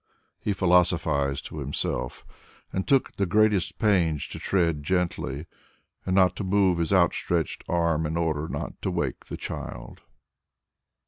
he philosophized to himself and took the greatest pains to tread gently and not to move his outstretched arm in order not to wake the child.